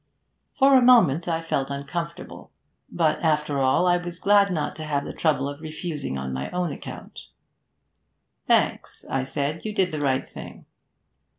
For a moment I felt uncomfortable, but after all I was glad not to have the trouble of refusing on my own account. 'Thanks,' I said, 'you did the right thing.'